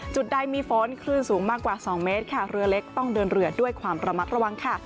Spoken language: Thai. จุดใดมีฝนคลื่นสูงมากกว่า๒เมตรค่ะเรือเล็กต้องเดินเรือด้วยความระมัดระวังค่ะ